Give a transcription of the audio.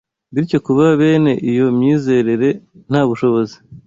Bityo kuba bene iyo myizerere nta bushobozi